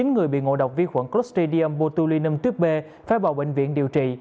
chín người bị ngộ độc vi khuẩn clostridium botulinum tuyết b phai bỏ bệnh viện điều trị